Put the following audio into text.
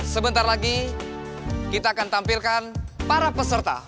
sebentar lagi kita akan tampilkan para peserta